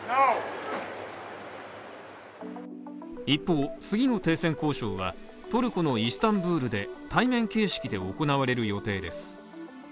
一方、次の停戦交渉はトルコのイスタンブールで対面形式で行われる予定です。